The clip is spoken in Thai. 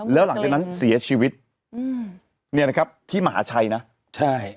แล้วหลังจากนั้นเสียชีวิตอืมเนี่ยนะครับที่มหาชัยนะใช่